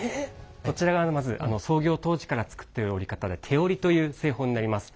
こちらがまず創業当時から作っている織り方で手織りという製法になります。